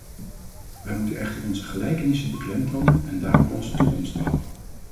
Wij moeten echter onze gelijkenissen beklemtonen en daarop onze toekomst bouwen.